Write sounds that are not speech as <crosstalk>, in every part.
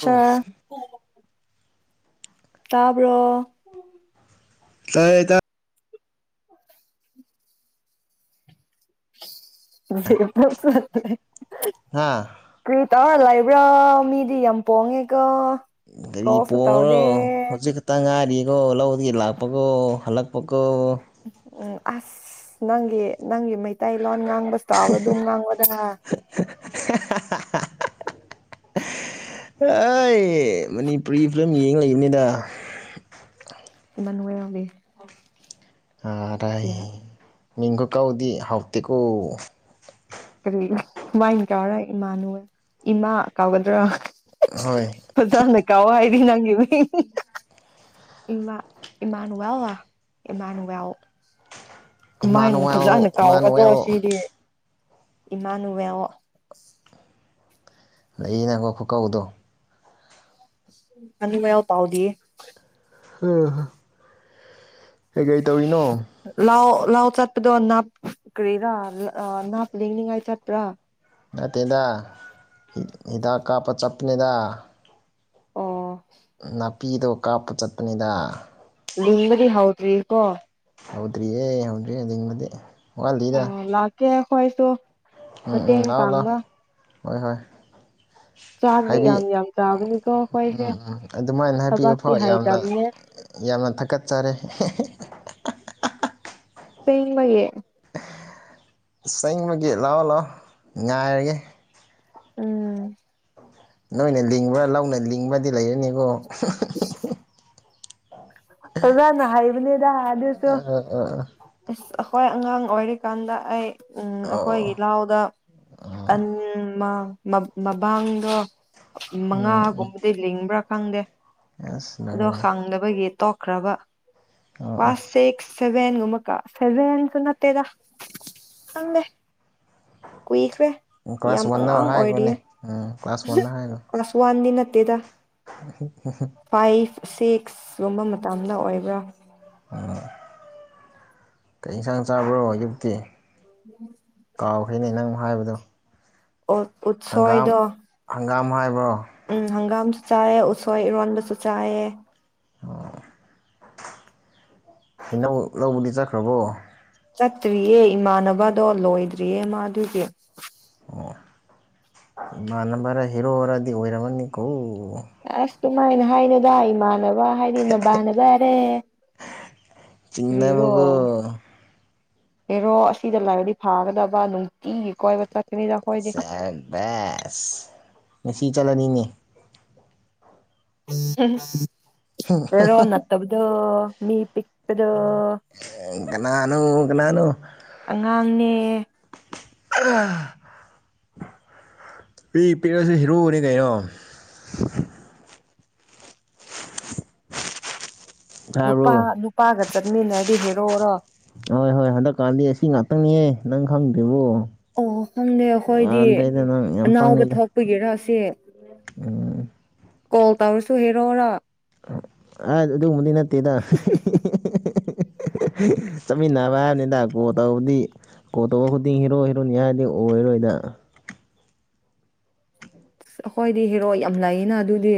ꯑꯣ ꯇꯥꯕ꯭ꯔꯣ ꯇꯥꯏ ꯑꯦꯇꯥ <unintelligible> ꯍꯥꯥ ꯇꯥ ꯂꯥꯏꯕ꯭ꯔꯥ ꯃꯤꯗꯤ ꯌꯥꯝ ꯄꯣꯡꯉꯦꯀ ꯒꯥꯔꯤ ꯄꯣꯡꯉ꯭ꯔꯣ ꯍꯧꯖꯤꯛ ꯈꯛꯇ ꯉꯥꯏꯔꯤ ꯗꯣ ꯂꯧꯗꯒꯤ ꯂꯥꯛꯄꯒꯣ ꯍꯟꯂꯛ ꯑꯣ ꯑꯁ ꯅꯪꯒꯤ ꯅꯪꯒꯤ ꯃꯩꯇꯩ ꯂ ꯉꯥꯡꯕꯁ ꯇꯕ ꯑꯗꯨ ꯂꯕꯗ ꯑꯩ ꯃꯅꯤꯄꯨꯔꯤ ꯐꯤꯂꯝ ꯌꯦꯡ ꯂꯩꯕꯅꯤꯗ ꯏꯥꯃ ꯅꯣꯏꯌꯥꯝꯕꯤ ꯑꯔ ꯗꯥꯏ ꯃꯤꯡꯒ ꯀꯥꯎꯗꯤ ꯍꯥꯎꯇꯦꯛꯀꯣ ꯀꯔꯤ ꯋꯥꯏꯅ ꯀꯥꯎꯔ ꯏꯃꯥꯅꯨ ꯏꯃꯥ ꯀꯥꯎꯒꯗ꯭ꯔꯥ ꯍꯣꯏ ꯍꯖꯥ ꯀꯥꯎ ꯍꯥꯏꯗꯤ ꯅꯪꯒꯤ ꯏꯃꯥ ꯏꯃꯥꯅꯨ ꯌꯥꯋꯥ ꯏꯃꯥꯅ ꯌꯥꯎ ꯀꯃꯥꯏꯅ ꯏꯃꯥꯅꯨꯋꯦꯜ ꯐꯖꯅ ꯀꯥꯎꯒꯗ꯭ꯔꯣ ꯏꯃꯥꯅꯨꯋꯦꯜ ꯁꯤꯗꯤ ꯏꯃꯥꯅꯨꯋ ꯑ ꯑ ꯅꯪꯀ ꯈꯨꯀꯧꯗꯣ ꯑꯅꯃꯎ ꯇꯥꯎꯗꯤ ꯑ ꯀꯩ ꯀꯩ ꯇꯧꯔꯤꯅꯣ ꯂꯍꯥꯎ ꯆꯠꯄꯗꯣ ꯅꯥꯞ ꯀꯔꯤꯔꯥ ꯅꯥꯞ ꯂꯦꯡꯅꯤꯡꯉꯥꯏ ꯆꯠꯇ꯭ꯔꯥ ꯅꯠꯇꯦꯗ ꯍꯤꯗꯥꯛ ꯀꯥꯞꯄ ꯆꯠꯄꯅꯤꯗ ꯑꯣ ꯅꯥꯄꯤꯗꯣ ꯀꯥꯞꯄ ꯆꯠꯄꯅꯤꯗ ꯂꯤꯕꯥꯗꯤ ꯍꯥꯎꯗ꯭ꯔꯤ ꯀꯣ ꯍꯥꯎꯗ꯭ꯔꯤꯌꯦ ꯍꯗꯔꯤ ꯂꯤꯡꯕꯗꯤ ꯋꯥꯠꯂꯤꯗ ꯑꯣ ꯂꯥꯛꯀꯦ ꯄꯥꯏꯄꯣ ꯎꯝ ꯎꯝ ꯃꯇꯦꯡ ꯂꯥꯛꯑꯣ ꯄꯥꯡꯕ ꯂꯥꯛꯑꯣ ꯍꯣꯏ ꯍꯣꯏ ꯆꯥꯛꯗꯤ ꯍꯥꯏꯕꯤꯨ ꯌꯥꯝ ꯌꯥꯝ ꯆꯥꯕꯅꯤꯀꯣ ꯎꯝ ꯑꯩꯈꯣꯏꯁꯦ ꯎꯝ ꯑꯗꯨꯃꯥꯏꯅ ꯍꯥꯏꯕꯤꯌꯨ ꯊꯕꯛꯇꯤ ꯐꯥꯎ ꯌꯥꯝꯅ ꯍꯩꯇꯕꯅꯦ ꯌꯥꯝꯅ ꯊꯥꯀꯠꯆꯔꯤ ꯍꯨꯏ ꯂꯦꯏꯌꯦ ꯆꯩꯪ ꯑꯦꯡꯕꯒꯤ ꯂꯥꯛꯑꯣ ꯂꯥꯛꯑꯣ ꯉꯥꯏꯔꯒꯦ ꯎꯝ ꯅꯣꯏꯅ ꯂꯤꯡꯕ ꯂꯧꯅ ꯂꯤꯡꯕꯗꯤ ꯂꯩꯔꯅꯤꯀꯣ <inaudible> ꯑꯖꯅꯥ ꯍꯥꯏꯕꯅꯤꯗ ꯍꯥꯏ ꯑꯣ ꯑ <unintelligible> ꯑꯩꯈꯣꯏ ꯑꯉꯥꯡ ꯑꯣꯏꯔꯤꯀꯥꯟꯗ ꯑꯩ ꯎꯝ ꯑꯩꯈꯣꯏꯒꯤ ꯑꯣ ꯂꯥꯎꯗ ꯑꯟꯃ ꯃꯃꯥꯡꯗꯣ ꯎꯝ ꯃꯉꯥꯒꯨꯝꯕꯗ ꯂꯦꯡꯕ꯭ꯔꯥ ꯈꯡꯗꯦ ꯎꯝ ꯑꯁ ꯑꯗꯣ ꯂꯣꯏꯔꯦꯅꯦ ꯈꯡꯗꯕꯒꯤ ꯇꯣꯛꯈ꯭ꯔꯕ ꯑꯣ ꯄꯥꯁ ꯁꯤꯁꯕ <unintelligible> ꯅꯇꯦꯗꯥ ꯈꯡꯗꯦ ꯀꯨꯏꯈ꯭ꯔꯦ ꯑꯣ ꯌꯥꯝ ꯀ꯭ꯂꯥꯁ ꯋꯥꯟꯗ ꯑꯉꯥꯡ ꯑꯣꯏꯔꯤꯌꯦ ꯍꯥꯏꯈꯣꯅꯦ ꯎꯝ ꯀ꯭ꯂꯥꯁ ꯋꯥꯟꯗ ꯍꯥꯏꯈꯣ ꯀ꯭ꯂꯥꯁ ꯋꯥꯟꯗꯤ ꯅꯠ ꯇꯦꯗ <inaudible> ꯁꯤꯛꯁ ꯒꯨꯝꯕ ꯃꯇꯝꯗ ꯑꯣꯏꯒꯔꯝ ꯀꯩ ꯌꯦꯟꯁꯥꯡ ꯆꯥꯕ꯭ꯔꯣ ꯑꯌꯨꯛꯇꯤ <unintelligible> ꯍꯧꯅ ꯅꯡ ꯃꯨꯛ ꯍꯥꯏꯕꯗꯣ ꯎꯇ ꯍꯪꯒꯥꯝ ꯎꯠꯁꯣꯏꯗꯣ <inaudible> ꯎꯝ ꯍꯒꯥꯝ ꯆꯥꯏꯌꯦ ꯎꯁꯣꯏ ꯏꯔꯣꯟꯕꯁꯨ ꯆꯥꯏꯌꯦ ꯑꯣ ꯍꯩꯅꯧ ꯂꯧꯕꯗꯤ ꯆꯠꯈ꯭ꯔꯕꯣ ꯆꯠꯇ꯭ꯔꯤꯌꯦ ꯏꯃꯥꯟꯅꯕꯗꯣ ꯂꯣꯏꯗ꯭ꯔꯤꯌꯦ ꯃꯥ ꯑꯗꯨꯗꯤ ꯑꯣ ꯏꯃꯥꯟꯝꯕꯔ ꯍꯦꯔꯣ ꯈꯔꯗꯤ ꯑꯣꯏꯔꯝꯃꯅꯤꯀꯣ ꯑꯁ ꯀꯃꯥꯏꯅ ꯍꯥꯏꯅꯣꯗ ꯏꯃꯥꯟꯅꯕ ꯍꯥꯏꯗꯤ ꯅꯕꯥꯅꯕ ꯌꯥꯔꯦ ꯆꯅ ꯃꯒ ꯑꯦꯔꯣ ꯑꯁꯤꯗ ꯂꯥꯏꯕꯗꯤ ꯐꯥꯒꯗꯕ ꯅꯨꯡꯇꯤꯒꯤ ꯀꯣꯏꯕ ꯆꯠ ꯆꯕꯁ ꯁꯤ ꯆꯠꯍꯟꯅꯤꯡꯉꯤ ꯑ ꯔꯔꯥ ꯑꯣꯟ ꯅꯠꯇꯕꯗꯨ ꯃꯤ ꯄꯤꯛꯗ ꯏ ꯀꯅꯥꯅꯅꯣ ꯀꯅꯥꯅꯣ ꯑꯦ ꯑ ꯐꯤ ꯄꯤ ꯁꯨꯔꯤ ꯀꯣ ꯅꯨꯄꯥ ꯇꯥꯕ꯭ꯔꯣ ꯅꯨ ꯅꯨꯄꯥꯒ ꯆꯠꯃꯤꯟ ꯑꯗꯤ ꯍꯦ ꯔꯣꯔꯣ ꯍꯣꯏ ꯍꯣꯏ ꯍꯟꯗꯛꯀꯥꯟꯗꯤ ꯑꯁꯤ ꯉꯥꯛꯇꯅꯤꯌꯦ ꯅꯪ ꯈꯪꯗꯦꯔꯤꯕꯣ ꯑꯣ ꯈꯪꯗꯦ ꯑꯩꯈꯣꯏꯗꯤ ꯅꯪ ꯌꯥꯝ ꯑꯅꯥꯎꯕ ꯄꯪꯉꯦꯗ ꯊꯛꯄꯒꯤꯔꯥꯁꯦ ꯎꯝ ꯀꯣꯜ ꯇꯧꯔꯁꯨ ꯍꯦꯔꯣꯔꯥ ꯑ ꯑꯗꯨ ꯃꯗꯤꯅ ꯇꯗ ꯆꯠꯃꯤꯟꯅꯕ ꯍꯥꯏꯕꯅꯤꯗ ꯀꯣ ꯇꯧꯕꯗꯤ ꯀꯣ ꯇꯧꯕ ꯈꯨꯗꯤꯡ ꯍꯤꯔꯣ ꯍꯤꯔꯣꯏꯅꯤ ꯍꯥꯏꯔꯗꯤ ꯑꯣꯏꯔꯣꯏꯗ ꯑꯩꯈꯣꯏꯗꯤ ꯍꯦꯔꯣ ꯌꯥꯝ ꯂꯩꯌꯦꯅ ꯑꯗꯨꯗꯤ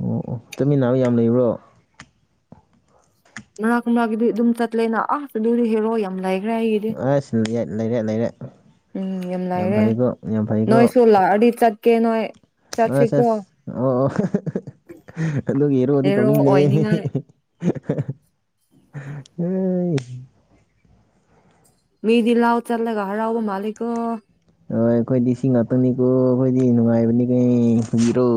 ꯑꯣ ꯑꯣ ꯆꯠꯃꯤꯟꯅꯕ ꯌꯥꯝ ꯂꯩꯕ꯭ꯔꯣ ꯉꯅꯥꯛꯅꯥꯀꯤꯗꯤ ꯑꯗꯨꯝ ꯆꯠꯂꯦꯅ ꯑꯥ ꯑꯗꯨꯗꯤ ꯍꯦꯔꯣ ꯌꯥꯝ ꯂꯥꯏ ꯈꯔꯦ ꯑꯩꯒꯤꯗꯤ ꯑꯁ ꯂꯩꯔꯦ ꯂꯩꯔꯦ ꯎꯝ ꯌꯥꯝ ꯂꯥꯏꯔꯦ ꯐꯩꯀꯣ ꯌꯥꯝ ꯅꯣꯏꯁꯨ ꯂꯥꯛꯑꯗꯤ ꯆꯠ ꯀꯦ ꯅꯣꯏ ꯑ ꯆꯠꯁꯤꯀꯣ ꯑꯣ ꯑꯣ ꯍ ꯑꯗꯨꯒꯤ ꯌꯦꯔꯣꯗꯤ ꯍꯦꯔꯣ ꯇꯧꯅꯤꯡꯅꯦꯦ ꯑꯣꯏꯅꯤꯡꯉꯥꯏ ꯎ ꯃꯤꯗꯤ ꯂꯑꯣ ꯆꯜꯂꯒ ꯍꯔꯥꯎꯕ ꯃꯥꯂꯤꯒꯣ ꯍꯣꯏ ꯑꯩꯈꯣꯏꯗꯤ ꯁꯤ ꯉꯥꯛꯇꯅꯤꯀꯣ ꯑꯩꯈꯣꯏꯗꯤ ꯅꯨꯡꯉꯥꯏꯕꯅꯤ ꯀ ꯈꯕꯤꯔꯣ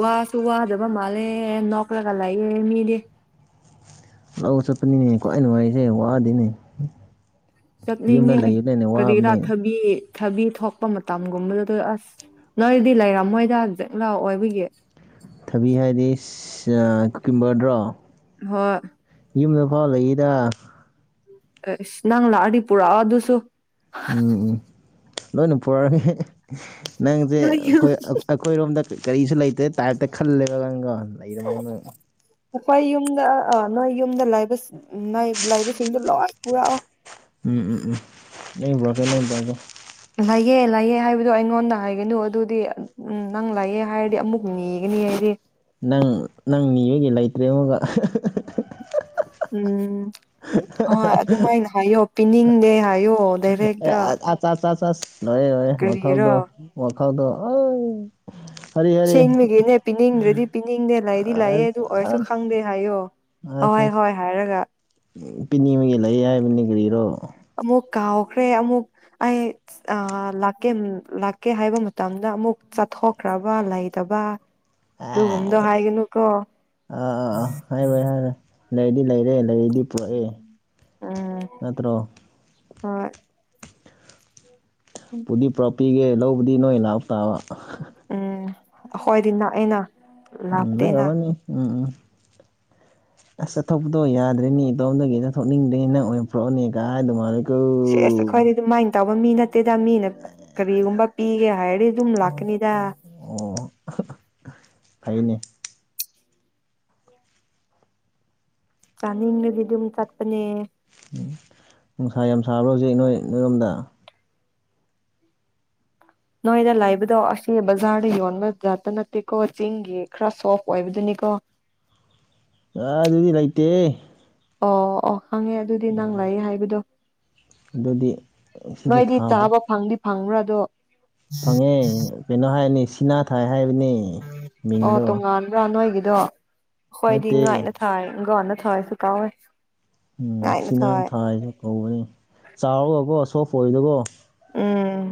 ꯋꯥꯁꯨ ꯋꯥꯗ ꯃꯥꯂꯦ ꯅꯈꯂꯒ ꯂꯌꯦ ꯃꯤꯗꯤꯦ ꯑꯥꯎ ꯆꯠ ꯑꯗꯨꯅꯦ ꯀꯋꯥꯏ ꯅꯨꯡ ꯋꯥꯔꯤ ꯑꯩꯁꯦ ꯋꯥ ꯑꯗꯨꯅꯦ ꯆꯠꯅꯤꯡꯉꯦ ꯀꯔꯤꯔꯥꯊꯕꯤ ꯊꯕꯤ ꯊꯣꯛꯄ ꯃꯇꯝꯒꯨꯝꯕꯗꯨꯗ ꯑꯁ ꯅꯣꯏꯗꯤ ꯂꯩꯔꯝꯃꯣꯏꯗꯖꯦꯛ ꯂꯥꯎꯑꯣ ꯑꯣꯏꯕꯒꯤ ꯊꯕꯤ ꯍꯥꯏꯗꯤ ꯀꯨꯀꯤꯝꯕꯗ꯭ꯔꯣ ꯍ ꯌꯨꯝꯗ ꯐꯥꯎ ꯂꯩꯏꯗ ꯑꯦꯁ ꯅꯪ ꯂꯥꯛꯑꯗꯤ ꯄꯨꯔꯛꯑꯣ ꯑꯗꯨꯁꯨ ꯎꯝ ꯎꯝ ꯂꯣꯏꯅꯨ ꯄꯨꯔ ꯅꯪꯁꯦ ꯅꯣꯏ ꯌꯨꯝ ꯑꯩꯈꯣꯏ ꯑꯩꯈꯣꯏꯔꯣꯝꯗ ꯀꯔꯤꯁꯨ ꯂꯩꯇꯦ ꯇꯥꯏꯔꯞꯇ ꯈꯜꯂꯦꯕ ꯅꯪꯒꯥ ꯂꯩꯩꯔ ꯃꯨꯅ ꯍꯣꯏ ꯌꯨꯝꯗ ꯑ ꯅꯣꯏ ꯌꯨꯝꯗ ꯂꯩꯕ ꯅꯣꯏ ꯂꯥꯏꯕꯁꯤꯡꯗꯨꯣ ꯂꯣꯏ ꯄꯨꯔꯛꯑꯣ ꯎꯝ ꯎꯝ ꯎꯝꯕ꯭ꯔ ꯀꯦꯒꯣ ꯂꯑꯦ ꯂꯥꯛꯑꯦ ꯍꯥꯏꯕꯗꯣ ꯑꯩꯉꯣꯟꯗ ꯍꯥꯏꯒꯅꯨ ꯑꯗꯨꯗꯤ ꯅꯪ ꯂꯥꯛꯑꯦ ꯍꯥꯏꯔꯗꯤ ꯑꯃꯨꯛ ꯅꯤꯒꯅꯤ ꯍꯥꯏꯗꯤ ꯅꯪ ꯅꯪ ꯃꯤ ꯑꯣꯏꯒ ꯂꯩꯇ꯭ꯔꯦ ꯑꯃꯒ ꯎꯝ ꯍꯣꯏ ꯑꯗꯨꯃꯥꯏꯅ ꯍꯥꯏꯌꯣ ꯄꯤꯅꯤꯡꯗꯦ ꯍꯥꯏꯌꯨ ꯑꯣꯗꯔꯗ ꯆ ꯆꯥꯁ ꯂꯣꯏꯑ ꯍꯣꯏ ꯋꯥꯜꯗꯣ ꯍꯥꯎꯗꯣ ꯑ ꯁꯦꯡꯃꯤꯒꯤꯅꯦ ꯄꯤꯅꯤꯡꯗ꯭ꯔꯗꯤ ꯄꯤꯅꯤꯡꯗꯦ ꯂꯩꯗꯤ ꯂꯥꯛꯑꯦ ꯑꯁ ꯑꯗꯨ ꯑꯁ ꯑꯣꯏꯔꯁꯨ ꯈꯪꯗꯦ ꯍꯥꯏꯌꯣ ꯑꯣꯏ ꯍꯣꯏ ꯍꯥꯏꯔꯒ ꯄꯤꯅꯤꯡ ꯑꯃꯒꯤꯒꯤ ꯂꯩ ꯍꯥꯏꯕꯅꯤ ꯀꯔꯤꯔꯣ ꯑꯃꯨꯛ ꯀꯥꯎꯈ꯭ꯔꯦ ꯑꯃꯨꯛ ꯑꯩ ꯂꯀꯦ ꯂꯥꯛꯀꯦ ꯍꯥꯏꯕ ꯃꯇꯝꯗ ꯑꯃꯨꯛ ꯆꯠꯊꯣꯛꯈ꯭ꯔꯕ ꯂꯩꯇꯕ ꯑꯁ ꯗ ꯑꯥ ꯍꯥꯏꯒ ꯅꯣꯀꯣ ꯂꯩꯗꯤ ꯂꯩꯔꯦ ꯂꯩꯗꯤ ꯑꯦ ꯅꯠꯇ꯭ꯔꯣ ꯑ ꯄꯨꯅꯤꯄ꯭ꯔꯄ ꯄꯤꯒꯦ ꯂꯧꯕꯗꯤ ꯅꯣꯏ ꯂꯥꯎ ꯇꯥꯕ ꯎꯝ ꯍꯣꯏꯗꯤꯅꯥ ꯑꯩꯅ ꯎꯝ ꯂ ꯀꯕꯅꯤ ꯎꯝ ꯎꯝ ꯑꯁ ꯆꯠꯊꯣꯛꯄꯗꯣ ꯌꯥꯗ꯭ꯔꯦꯅꯤ ꯏꯇꯣꯝꯗꯒꯤ ꯆꯠꯊꯣꯛꯅꯤꯡꯗ꯭ꯔꯦ ꯅꯪ ꯑꯣꯏꯅ ꯄꯨꯔꯛꯑꯣꯅꯦ ꯀꯥꯏ ꯑꯗꯨꯃ ꯁꯦꯁ ꯑꯩꯈꯣꯏ ꯑꯗꯨꯃꯥꯏ ꯇꯧꯕ ꯃꯤ ꯅꯠ ꯅꯠꯇꯦꯗ ꯃꯤꯅ ꯀꯔꯤꯒꯨꯝꯕ ꯄꯤꯒ ꯍꯥꯏꯗꯨꯝ ꯂꯛꯅꯤꯗꯥ ꯑꯣ ꯐꯩꯅꯦ ꯆꯥꯅꯤꯡꯅꯒꯤ ꯗꯨꯝ ꯆꯠꯄꯅꯦ ꯎꯝ ꯅꯨꯡꯁꯥ ꯌꯥꯝ ꯁꯥꯕ꯭ꯔꯥ ꯍꯧꯖꯤꯛ ꯅꯣꯏ ꯅꯣꯏꯔꯣꯝꯗ ꯅꯣꯏꯗ ꯂꯥꯛꯕꯗꯣ ꯑꯁꯤ ꯕꯖꯥꯔꯗ ꯌꯣꯟꯕꯖꯇ ꯅꯠꯇꯦꯀꯣ ꯆꯤꯡꯒꯤ ꯈꯔ ꯁꯣꯐ ꯑꯣꯏꯕꯗꯨꯅꯤꯀꯣ ꯑ ꯑꯗꯨꯗꯤ ꯂꯩ ꯂꯩꯇꯦ ꯑꯣ ꯑꯣ ꯈꯪꯉꯦ ꯑꯗꯨꯗꯤ ꯅꯪ ꯂꯥꯛꯏ ꯍꯥꯏꯕꯗꯣ ꯑꯗꯨꯗꯤꯁꯦ ꯊꯥꯗꯦ ꯐꯪꯕ꯭ꯔꯥꯗꯣ ꯊꯉꯦ ꯄꯅꯣꯍꯥꯏ ꯑꯅꯤꯁꯤ ꯄꯅꯥ ꯊꯥꯏ ꯍꯥꯏꯕꯅꯦ ꯃꯤꯡꯗꯣ ꯗꯣ ꯍꯣꯏꯗꯤ ꯅꯠꯇꯦ ꯉꯥꯏꯅ ꯊꯥꯏꯒꯥꯎꯅ ꯊꯣꯛꯑꯁꯨ ꯀꯥꯎꯋꯦ ꯎꯝ ꯉꯥꯏꯅ ꯁꯤꯅ ꯊꯥꯏ ꯊꯥꯏꯁꯨ ꯀꯧꯕꯅꯤ ꯆꯥꯎꯔꯕꯀꯣ ꯁꯣꯐ ꯑꯣꯏꯗꯕꯣ ꯎꯝ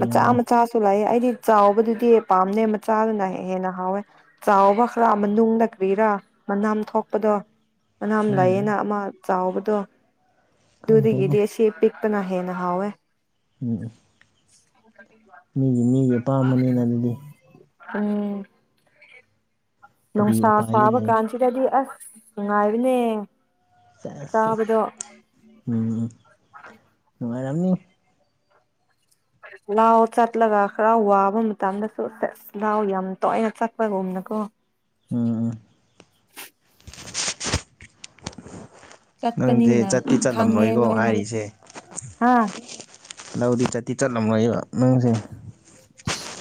ꯃꯆꯥ ꯃꯆꯥꯁꯨ ꯂꯩ ꯍꯥꯏꯗꯤ ꯆꯥꯎꯕꯗꯨꯗꯤ ꯄꯥꯝꯅ ꯃꯆꯥꯗꯨꯅ ꯍꯦꯟꯅ ꯍꯥꯎꯋꯦ ꯆꯥꯎꯕ ꯈꯔ ꯃꯅꯨꯡꯗꯗ ꯀ꯭ꯔꯤꯔꯥ ꯃꯅꯝ ꯊꯣꯛꯄꯗꯣ ꯑꯅꯥꯝ ꯈꯪꯉꯤ ꯈꯪꯗꯦ ꯂꯥꯏꯌꯦꯅ ꯑꯃ ꯆꯥꯎꯕꯗꯣ ꯈꯪꯗ꯭ꯔꯦꯗ ꯑꯗꯨꯗꯤꯒꯤꯗꯤ ꯁꯤ ꯄꯤꯛ ꯀꯅ ꯍꯦꯟꯅ ꯍꯥꯎꯋꯦ ꯎꯝ ꯑꯣ ꯃꯤꯒꯤ ꯃꯤꯒ ꯇꯥꯝꯕꯅꯦ ꯅꯗꯤ ꯎꯝ ꯀꯔꯤ ꯅꯣꯡꯁꯥ ꯎꯄꯥꯏꯗꯤ ꯁꯥꯕ ꯂꯩ ꯀꯟꯁꯤꯗꯗꯤ ꯑꯁ ꯉꯥꯏꯕꯅꯦ ꯆꯦꯖ ꯎꯝ ꯅꯨꯡꯉꯥꯏ ꯔꯝꯅꯤ ꯂꯥꯎ ꯆꯠꯂꯒ ꯈꯔ ꯋꯥꯕ ꯃꯇꯝꯗꯁꯨ ꯁꯦꯁ ꯂꯥꯎ ꯌꯥꯝ ꯇꯣꯏꯅ ꯆꯠꯄꯒꯨꯝꯅꯀꯣ ꯎꯝ ꯅꯪꯗꯤ ꯆꯠꯄꯅꯤꯅ ꯆꯠꯇꯤ ꯈꯪꯉꯦ ꯆꯠꯂꯝꯂꯣꯏꯀꯣ ꯂꯣꯏꯅ ꯍꯥꯏꯔꯤꯁꯦ ꯍꯥ ꯂꯧꯗꯤ ꯆꯠꯇꯤ ꯆꯠꯂꯝꯂꯣꯏꯕ ꯅꯪꯁꯦ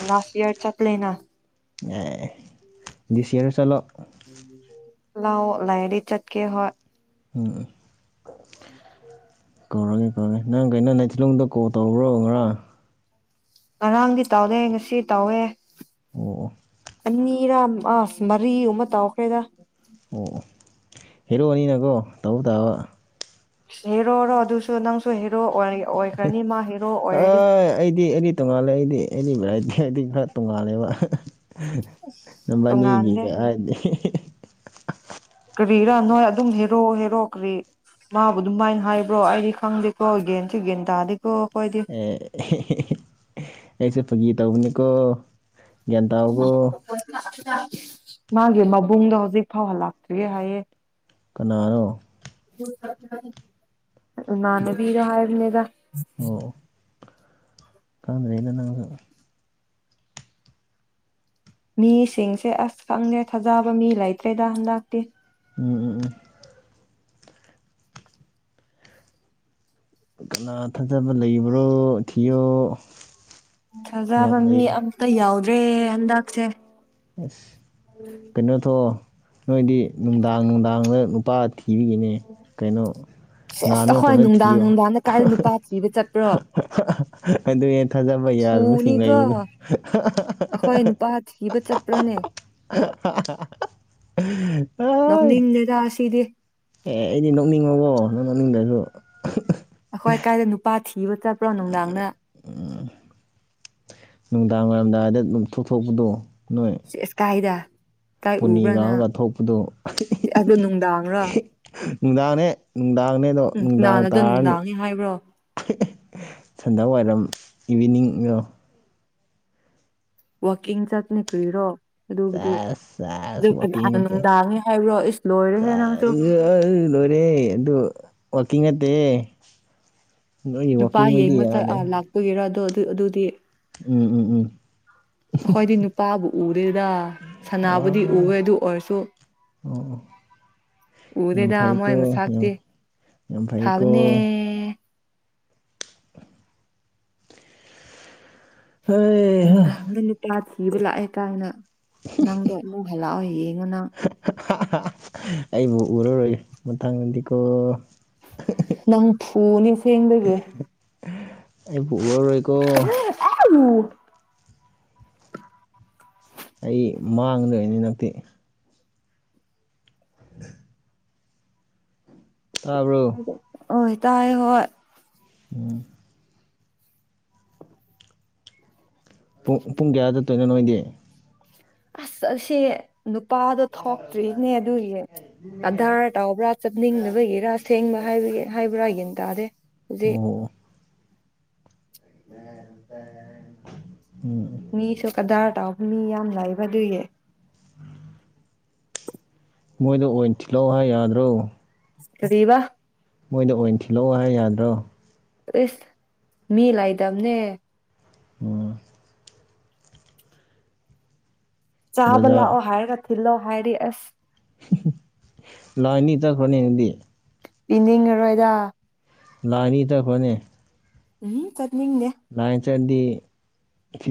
ꯂꯥꯁ ꯏꯌꯔ ꯆꯠꯂꯦꯅꯥ ꯑꯦ ꯗꯤꯁꯤꯔ ꯆꯂꯣ ꯂꯥꯎ ꯂꯩꯗꯤ ꯆꯠꯀꯦ ꯑꯩꯈꯣꯏ ꯎꯝ ꯎꯝ <inaudible> ꯀꯧꯔꯒꯦ ꯀꯧꯔꯒꯦ ꯅꯪ ꯀꯩꯅꯣ ꯅꯥꯊꯤꯂꯣꯡꯗ ꯀꯣꯜ ꯇꯧꯕ꯭ꯔꯣ ꯉꯔꯥꯡ ꯉꯔꯥꯡꯗꯤ ꯇꯥꯎꯔꯦ ꯉꯁꯤꯗꯤ ꯇꯥꯎꯋꯦ ꯑꯣ ꯑꯣ ꯑꯅꯤꯔꯥ ꯑꯁ ꯃꯔꯤ ꯑꯃ ꯇꯥꯎꯈ꯭ꯔꯦꯗ ꯑꯣ ꯍꯔꯛꯅꯤꯅꯀꯣ ꯇꯧꯕ ꯇꯥꯕ ꯍꯦꯔꯣꯔꯣ ꯑꯗꯨꯁꯨ ꯅꯪꯁꯨ ꯍꯦꯔꯣ ꯑꯣꯏ ꯑꯣꯏꯈ꯭ꯔꯅꯤ ꯃꯥ ꯍꯦꯔꯣ ꯑ ꯑꯣꯏꯔꯗꯤ ꯑꯩꯗꯤ ꯑꯩꯗꯤ ꯇꯣꯉꯥꯜꯂꯦ ꯑꯩꯗꯤ ꯑꯦꯅꯤ ꯚꯦꯔꯥꯏꯇꯤ ꯍꯥꯏꯗꯤ ꯈꯔ ꯇꯣꯡꯉꯥꯜꯂꯦꯕ ꯃꯕꯅꯤꯒꯤꯒ ꯍꯥꯏꯗꯤ ꯀꯔꯤꯔꯥꯅꯣ ꯑꯗꯨ ꯍꯦꯔꯣ ꯍꯦꯔꯣꯛꯈ꯭ꯔꯤ ꯃꯥꯕꯨ ꯑꯗꯨꯝꯃꯥꯏꯅ ꯍꯥꯏꯕ꯭ꯔꯣ ꯑꯩꯗꯤ ꯈꯪꯗꯦꯀ꯭ꯔꯣ ꯒꯦꯟꯁꯨ ꯒꯦꯟ ꯇꯥꯗꯦ ꯑꯦ ꯑꯩꯁꯦ ꯐꯥꯒꯤ ꯇꯧꯕꯅꯤꯀꯣ ꯒꯟꯇꯥꯎꯕꯨ ꯃꯥꯒꯤ ꯃꯕꯨꯡꯗꯣ ꯍꯧꯖꯤꯛ ꯐꯥꯎꯍꯜꯂꯛꯇ꯭ꯔꯤ ꯍꯥꯏꯌꯦ ꯀꯅꯥꯔꯣ ꯅꯅꯦ ꯄꯔ ꯍꯥꯏ ꯏꯅꯦꯗ ꯑꯣ ꯀꯥꯥꯟꯗ꯭ꯔꯦꯗ ꯅꯪꯁꯨ ꯃꯤꯁꯤꯡꯁꯦ ꯑꯁ ꯈꯪꯗꯦ ꯊꯥꯖꯕ ꯃꯤ ꯂꯩꯇ꯭ꯔꯦꯗ ꯍꯟꯗꯛꯇꯤ ꯎꯝ ꯎꯝ ꯎꯝ ꯀꯅꯥꯥ ꯊꯥꯖꯕ ꯂꯩꯕ꯭ꯔꯣ ꯊꯤꯌꯣ ꯊꯖꯕ ꯌꯥꯝ ꯃꯤ ꯂꯩꯔꯦ ꯑꯃꯇ ꯌꯥꯎꯗꯦ ꯔꯦ ꯍꯟꯗꯛꯁꯦ ꯑꯁ ꯀꯩꯅꯣ ꯊꯣ ꯅꯣꯏꯗꯤ ꯅꯨꯡꯗꯥꯡ ꯅꯨꯡꯗꯥꯡꯗ ꯄꯥꯠ ꯊꯤꯕꯤꯒꯤꯅꯦ ꯀꯩꯅꯣ ꯁꯦꯁ ꯉꯥꯟꯕ ꯑꯩꯈꯣꯏ ꯃꯇꯝꯗ ꯅꯨꯡꯗꯥꯡ ꯊꯤꯌꯣ ꯅꯨꯡꯗꯥꯡꯗ ꯀꯥꯏꯗ ꯅꯨꯄꯥ ꯊꯤꯕ ꯆꯠꯄ꯭ꯔꯣ ꯑꯗꯨ ꯊꯥꯖꯕ ꯌꯥꯗꯕꯁꯤꯡ ꯐꯨꯅꯤꯀꯣ ꯂꯩꯕꯗꯣ ꯄꯅꯦꯛ <unintelligible> ꯅꯣꯛꯅꯤꯡꯗꯦꯗ ꯑꯁꯤꯗꯤ ꯑꯦ ꯑꯩꯗꯤ ꯅꯣꯛꯅꯤꯡꯉꯕꯣ ꯅꯪ ꯅꯣꯛꯅꯤꯡꯗ꯭ꯔꯁꯨ ꯑꯩꯈꯣꯏ ꯑꯀꯥꯏꯗ ꯅꯨꯄꯥ ꯊꯤꯕ ꯆꯠꯄ꯭ꯔꯣ ꯅꯨꯡꯗꯥꯡꯅ ꯅꯨꯡꯗꯥꯡ ꯋꯥꯏꯔꯝꯗꯥꯏꯗ ꯑꯗꯨꯝ ꯊꯣꯛꯊꯣꯛꯄꯗꯣ ꯁꯦꯁ ꯀꯥꯏꯗ ꯏꯀꯥꯏ ꯄꯨꯅꯤ ꯎꯕ꯭ꯔꯥꯅ ꯂꯥꯎꯔꯒ ꯊꯣꯛꯄꯗꯣ ꯁꯤ ꯑꯗꯨꯗꯣ ꯅꯨꯡꯗꯥꯡꯔꯣ ꯅꯨꯡꯗꯥꯅꯦ ꯅꯨꯡꯗꯥꯡꯅꯦ ꯑꯗꯣ ꯅꯨꯡꯗꯥꯡ ꯑꯗꯣ ꯇꯥꯔꯅꯤ ꯅꯨꯡꯗꯥꯡꯅꯤ ꯍꯥꯏꯕ꯭ꯔꯣ ꯁꯟꯗ ꯋꯥꯏꯔꯝ ꯏꯚꯤꯅꯤꯡꯒ ꯋꯥꯛꯀꯤꯡ ꯆꯠꯅꯈ꯭ꯔꯤꯔꯣ ꯆꯦꯁ ꯆꯦꯁ ꯋꯥꯀꯤꯡ ꯍꯥꯟꯅ ꯅꯠꯇꯦ ꯅꯨꯡꯗꯥꯡꯅꯤ ꯍꯥꯏꯕ꯭ꯔꯣ ꯏꯁ ꯂꯣꯏꯔꯦꯍꯦ ꯅꯪꯁꯨ ꯆꯦꯁ ꯂꯣꯏꯔꯦ ꯑꯗꯨ ꯋꯥꯀꯤꯡ ꯅꯠꯇꯦꯍꯦ ꯅꯣꯏꯒꯤ ꯅꯨꯄꯥ ꯋꯥꯛꯀꯤꯡꯗꯨꯗꯤ ꯌꯦꯡꯕꯆꯥ ꯌꯥꯗꯦ ꯂꯥꯛꯄꯒꯤꯔꯣ ꯑꯗꯨ ꯑꯗꯨ ꯑꯗꯨꯗꯤ ꯎꯝ ꯎꯝ ꯎꯝ ꯑꯩꯈꯣꯏꯗꯤ ꯅꯨꯄꯥꯕꯨ ꯎꯗꯦꯗ ꯁꯅꯥꯕꯨꯗꯤ ꯎꯋꯦ ꯑꯣ ꯑꯗꯨ ꯑꯣꯏꯔꯁꯨ ꯑꯣ ꯌꯥꯝ ꯎꯗꯦꯗ ꯃꯣꯏ ꯐꯩꯀꯣ ꯃꯁꯇꯤ ꯌꯥꯝ ꯌꯥꯝ ꯐꯥꯕꯅꯦ ꯐꯩꯀꯣ ꯅꯪꯒ ꯍꯩꯍꯥ ꯇ ꯏꯕ ꯂꯥꯛꯑꯦ ꯀꯥꯏꯅ ꯅꯪꯗ ꯂ ꯑꯣꯏ ꯑꯗꯨꯅ ꯑꯩꯕꯨ ꯎꯔꯔꯣꯏ ꯃꯊꯪꯗꯗꯤꯀꯣ ꯄꯨꯅꯤꯁ ꯊꯦꯡꯒꯦ ꯑ ꯎꯔꯔꯣꯏꯀꯣ <inaudible> ꯑꯩ ꯃꯥꯡꯗꯣꯏꯅꯤ ꯍꯟꯗꯛꯇꯤ ꯎ ꯑꯣꯏ ꯇꯥꯏ ꯍꯣꯏ ꯑꯣꯝ ꯄꯨꯡ ꯄꯨꯡ ꯀꯌꯥꯗ ꯇꯣꯏꯅ ꯅꯣꯏꯗꯦ ꯑꯁ ꯑꯁꯤ ꯅꯨꯄꯥꯗꯣ ꯊꯣꯛꯇ꯭ꯔꯤꯅꯦ ꯑꯗꯨꯒꯤ ꯀꯙꯔ ꯇꯥꯎꯕ꯭ꯔꯥ ꯆꯥꯅꯤꯡꯅꯕꯒꯤꯔ ꯁꯦꯡꯕ ꯍꯥꯏꯕꯒꯤ ꯍꯥꯏꯕ꯭ꯔꯥꯒꯤꯅꯤ ꯇ ꯑꯗꯦ ꯗꯤ ꯑꯣ ꯎꯝ ꯃꯤꯁꯨ ꯀꯗꯥꯔ ꯇꯥꯎꯕ ꯃꯤ ꯌꯥꯝ ꯂ ꯂꯩꯕ ꯑꯗꯨꯏꯌꯦ ꯎꯝ ꯃꯣꯏꯗ ꯑꯣꯏꯅ ꯊꯤꯜꯂꯛꯑꯣ ꯍꯥꯏ ꯌꯥꯗ꯭ꯔꯣ ꯀꯗꯤꯕ ꯃꯣꯏꯗ ꯑꯣꯏꯅ ꯊꯤꯜꯂꯛꯑꯣ ꯍꯥꯏ ꯌꯥꯗ꯭ꯔꯣ ꯑꯦꯁ ꯃꯤ ꯂꯥꯏꯗꯝꯅꯦ ꯑꯣ ꯆꯥꯕꯜꯂ ꯑꯣ ꯕꯖꯥꯔ ꯍꯥꯏꯔ ꯀ ꯊꯂꯣ ꯍꯥꯏꯔꯤ ꯑꯁ ꯂꯣꯏꯅꯤ ꯇ ꯈꯅꯤꯗꯤ ꯄꯤꯅꯤꯡꯉꯔꯣꯏꯗ ꯂꯥꯏꯅꯤ ꯇꯛꯄꯅꯦ ꯎꯝ ꯆꯠ ꯅꯤꯡꯗꯦ ꯆꯠꯂꯤ